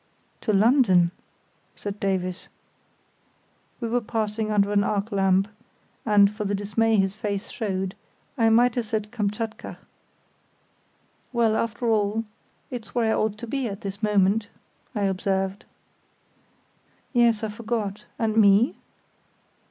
"To London!" said Davies. We were passing under an arc lamp, and, for the dismay his face showed, I might have said Kamchatka. "Well, after all, it's where I ought to be at this moment," I observed. "Yes, I forgot. And me?"